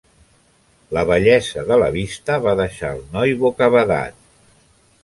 La bellesa de la vista va deixar el noi bocabadat.